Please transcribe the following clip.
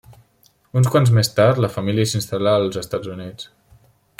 Uns quants més tard, la família s'instal·là als Estats Units.